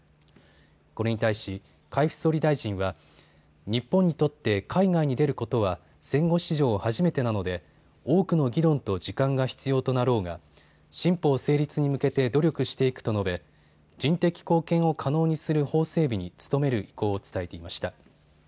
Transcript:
これに対し海部総理大臣は日本にとって海外に出ることは戦後史上初めてなので多くの議論と時間が必要となろうが、新法成立に向けて努力していくと述べ人的貢献を可能にする法整備に努める意向を伝えていました。